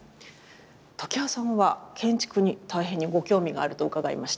常盤さんは建築に大変にご興味があると伺いました。